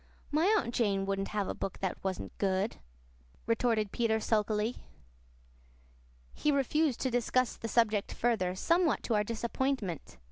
My Aunt Jane wouldn't have a book that wasn't good," retorted Peter sulkily. He refused to discuss the subject further, somewhat to our disappointment.